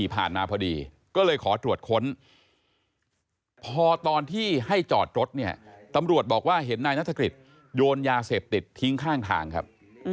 พอตอนที่ให้จอดรถเนี่ยตำรวจบอกว่าเห็นนายนัฐกฤทธิ์โยนยาเสพติดทิ้งข้างทางครับ